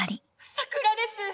桜です。